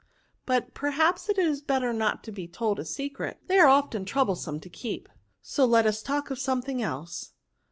But perhaps it is better not to be told a secret ; they are often troublesome to keep. So let us talk of something else."